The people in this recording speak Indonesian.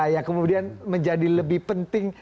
yang kemudian menjadi lebih penting